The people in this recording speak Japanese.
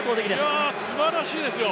いや、すばらしいですよ。